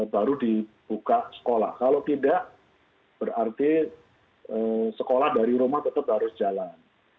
baru dibuka sekolah kalau tidak berarti sekolah dari rumah tetap harus jalan